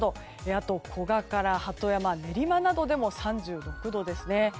あと古河から鳩山、練馬などでも３６度ですね。